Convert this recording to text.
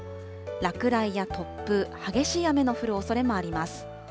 落雷や突風、激しい雨の降るおそれもあります。